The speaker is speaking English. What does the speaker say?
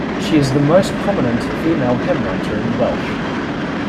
She is the most prominent female hymn-writer in Welsh.